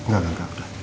gak gak gak